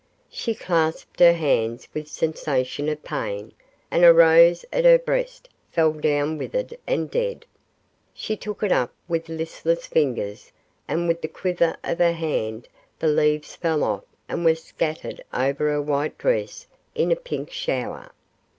She clasped her hands with a sensation of pain, and a rose at her breast fell down withered and dead. She took it up with listless fingers, and with the quiver of her hand the leaves fell off and were scattered over her white dress in a pink shower.